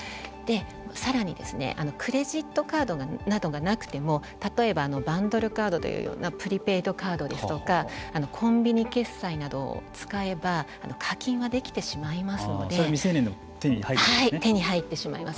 さらに、クレジットカードがなどがなくても例えば、バンドルカードというようなプリペイドカードですとかコンビニ決済などを使えばそれは未成年の手に手に入ってしまいます。